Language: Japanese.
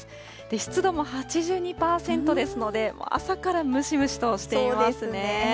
湿度も８２％ですので、朝からムシムシとしていますね。